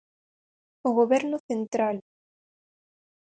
O goberno central.